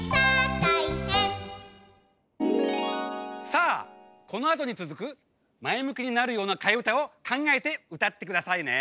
さあこのあとにつづくまえむきになるようなかえうたをかんがえてうたってくださいね。